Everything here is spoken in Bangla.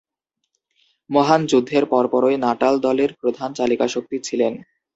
মহান যুদ্ধের পরপরই নাটাল দলের প্রধান চালিকাশক্তি ছিলেন।